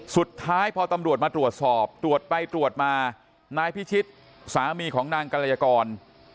สุดท้ายพอตำรวจมาตรวจสอบตรวจไปตรวจมานายพิชิตสามีของนางกรยากร